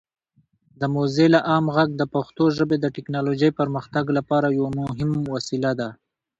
موزیلا عام غږ د پښتو ژبې د ټیکنالوجۍ پرمختګ لپاره یو مهم وسیله ده.